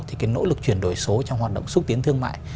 thì cái nỗ lực chuyển đổi số trong hoạt động xúc tiến thương mại